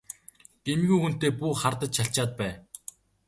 Гэмгүй хүнтэй бүү хардаж чалчаад бай!